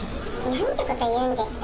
なんてこと言うんですか。